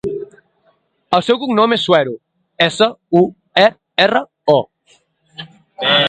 El seu cognom és Suero: essa, u, e, erra, o.